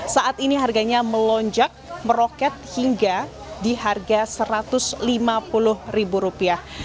saat ini harganya melonjak meroket hingga di harga satu ratus lima puluh ribu rupiah